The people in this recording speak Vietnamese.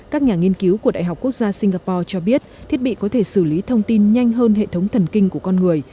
các nhà nghiên cứu của đại học quốc gia singapore cho biết thiết bị có thể xử lý thông tin nhanh hơn hệ thống thần kinh của con người